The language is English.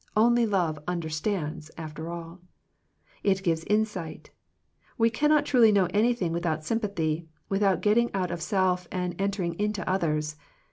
Only love understands after all. It gives insight We cannot truly know anything without sympathy, without getting out of self and entering into others.